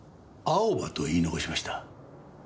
アオバと言い残しました。